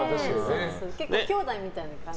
結構きょうだいみたいな感じで。